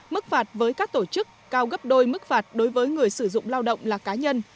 mức phạt với các tổ chức cao gấp đôi mức phạt đối với người sử dụng lao động là cá nhân